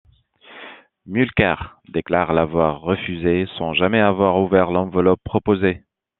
Mulcair déclare l'avoir refusé sans jamais avoir ouvert l'enveloppe proposée.